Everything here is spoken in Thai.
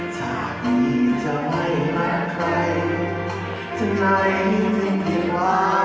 ถ้าพี่จะไม่รักใครจะใกล้จนผิดหวาน